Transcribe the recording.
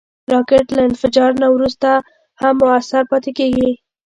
راکټ له انفجار نه وروسته هم مؤثر پاتې کېږي